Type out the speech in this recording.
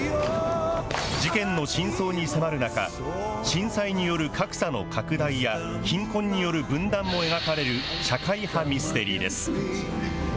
事件の真相に迫る中、震災による格差の拡大や、貧困による分断も描かれる、社会派ミステリーです。